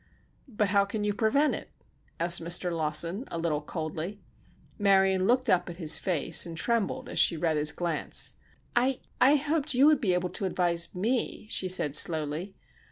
"But how can you prevent it?" asked Mr. Lawson, a little coldly. Marion looked up at his face and trembled as she read his glance. "I—I hoped you would be able to advise me," she said, slowly.